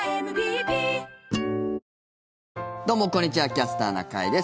「キャスターな会」です。